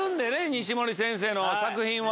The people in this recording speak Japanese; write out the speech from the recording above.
西森先生の作品は。